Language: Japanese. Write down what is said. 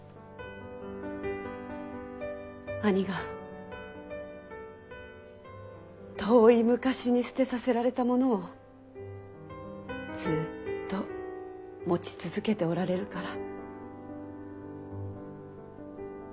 ・兄が遠い昔に捨てさせられたものをずっと持ち続けておられるから。